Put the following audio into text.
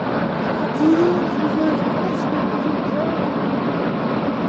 To również ważny aspekt naszych działań